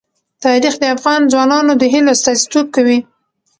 تاریخ د افغان ځوانانو د هیلو استازیتوب کوي.